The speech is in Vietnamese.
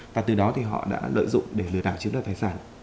và từ đó thì họ đã lợi dụng để lừa đảo chiếm đoạt tài sản